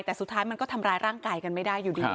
แต่สุดท้ายมันก็ทำร้ายร่างกายกันไม่ได้อยู่ดี